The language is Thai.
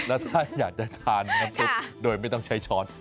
แล้วถ้าอยากจะทานน้ำซุปโดยไม่ต้องใช้ช้อน